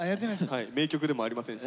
名曲でもありませんし。